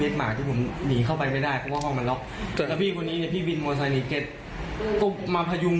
ถ้าวันนั้นผมไม่ได้พี่ผมไม่รู้ผมจะรอดไหม